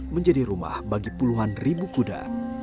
menjadi rumah bagi puluhan ribu kuda